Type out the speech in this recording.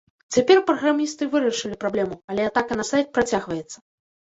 Цяпер праграмісты вырашылі праблему, але атака на сайт працягваецца.